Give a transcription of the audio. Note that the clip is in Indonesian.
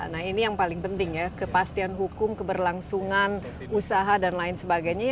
nah ini yang paling penting ya kepastian hukum keberlangsungan usaha dan lain sebagainya